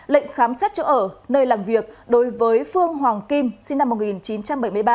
lệnh khám xét chỗ ở nơi làm việc đối với phương hoàng kim sinh năm một nghìn chín trăm bảy mươi ba